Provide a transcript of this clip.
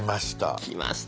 きました。